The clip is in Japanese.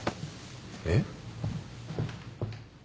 えっ？